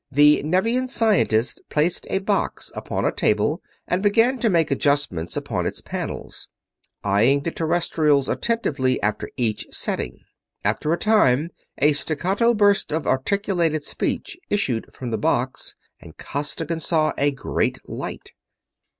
The Nevian scientist placed a box upon a table and began to make adjustments upon its panels, eyeing the Terrestrials attentively after each setting. After a time a staccato burst of articulate speech issued from the box, and Costigan saw a great light.